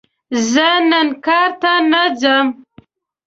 زه نن کار ته نه ځم!